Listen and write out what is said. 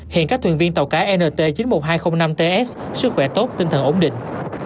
hiện các thuyền viên tàu cá nt chín mươi một nghìn hai trăm linh năm ts sức khỏe tốt tinh thần ổn định